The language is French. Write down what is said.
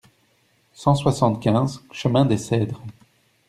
cent soixante-quinze chemin des Cedres